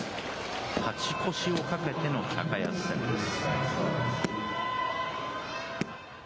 勝ち越しをかけての高安戦です。